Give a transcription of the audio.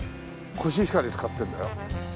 コシヒカリ使ってるんだよ。